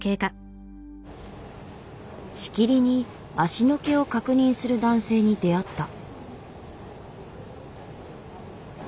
しきりに足の毛を確認する男性に出会った。